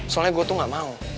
soalnya gue tuh gak mau